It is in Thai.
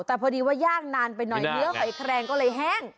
แต่พอดีว่าย่างนานไปหน่อยเนื้อหอยแครงก็เลยแห้ง